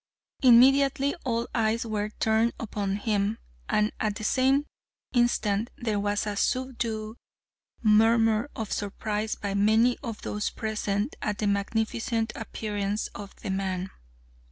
Immediately, all eyes were turned upon him, and at the same instant there was a subdued murmur of surprise by many of those present at the magnificent appearance of the man.